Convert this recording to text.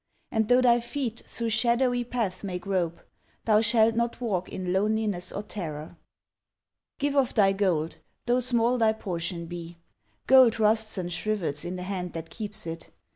And though thy feet through shadowy paths may grope, Thou shalt not walk in loneliness or terror. Give of thy gold, though small thy portion be. Gold rusts and shrivels in the hand that keeps it.